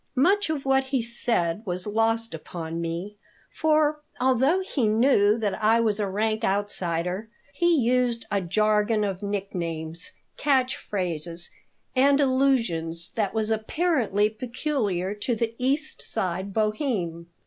Much of what he said was lost upon me, for, although he knew that I was a rank outsider, he used a jargon of nicknames, catch phrases, and allusions that was apparently peculiar to the East Side Bohème.